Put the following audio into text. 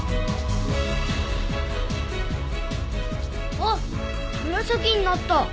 あっ紫になった。